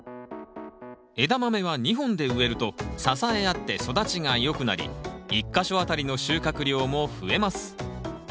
エダマメは２本で植えると支え合って育ちが良くなり１か所あたりの収穫量も増えます。